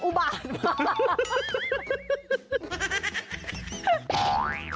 อุบาตป้า